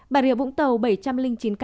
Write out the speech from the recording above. bà rịa vũng tàu bảy trăm linh chín ca